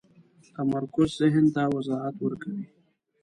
تمرکز ذهن ته وضاحت ورکوي.